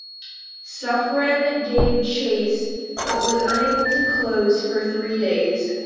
Suffren gave chase, but was unable to close for three days.